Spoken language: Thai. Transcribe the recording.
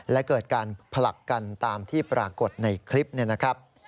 และเกิดการผลักกันตามที่ปรากฏในคลิปนี้นะครับ